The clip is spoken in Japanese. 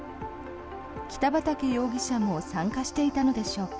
北畠容疑者も参加していたのでしょうか。